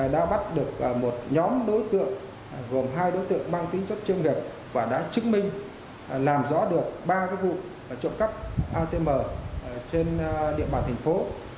đã bắt được một nhóm đối tượng gồm hai đối tượng mang tính chất chuyên nghiệp và đã chứng minh làm rõ được ba vụ trộm cắp atm trên địa bàn thành phố